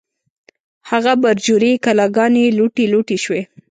هغه برجورې کلاګانې، لوټې لوټې شوې